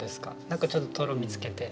なんかちょっととろみつけて。